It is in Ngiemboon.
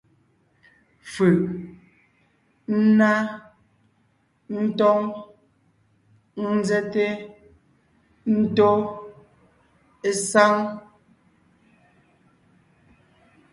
Fʉʼ: ńná, ńtóŋ, ńzɛ́te, ńtó, ésáŋ.